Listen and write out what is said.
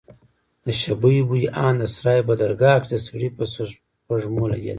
د شبيو بوى ان د سراى په درگاه کښې د سړي په سپږمو لگېده.